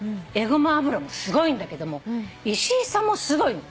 ごま油もすごいんだけども石井さんもすごいの。